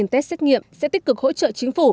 một mươi hai test xét nghiệm sẽ tích cực hỗ trợ chính phủ